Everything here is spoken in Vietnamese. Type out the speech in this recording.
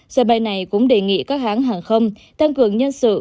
sân bay này cũng đề nghị các hãng hàng không tăng cường nhân sự